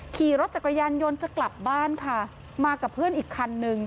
ขี่รถจักรยานยนต์จะกลับบ้านค่ะมากับเพื่อนอีกคันนึง